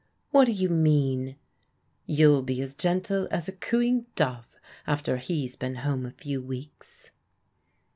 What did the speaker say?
" What do you mean? "" You'll be as gentle as a cooing dove after he's been home a few weeks."